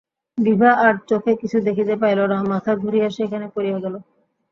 বিভা আর চোখে কিছু দেখিতে পাইল না, মাথা ঘুরিয়া সেইখানে পড়িয়া গেল।